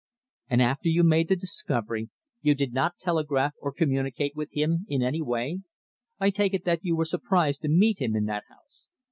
"And after you made the discovery you did not telegraph or communicate with him in any way? I take it that you were surprised to meet him in that house."